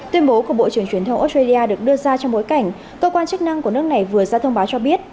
tuyên bố của bộ trưởng truyền thông australia được đưa ra trong bối cảnh cơ quan chức năng của nước này vừa ra thông báo cho biết